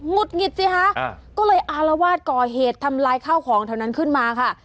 ุดหงิดสิคะก็เลยอารวาสก่อเหตุทำลายข้าวของแถวนั้นขึ้นมาค่ะ